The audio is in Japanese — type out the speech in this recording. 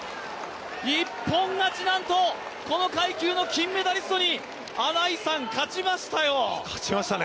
日本が、なんとこの階級の金メダリストに穴井さん、勝ちましたよ！